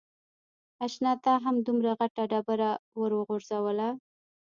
اشنا تا هم دومره غټه ډبره ور و غورځوله.